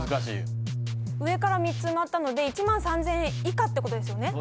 上から３つ埋まったので１万３，０００円以下ってことですね。